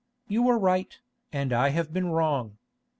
"You were right, and I have been wrong.